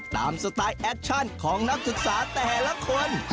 สไตล์แอคชั่นของนักศึกษาแต่ละคน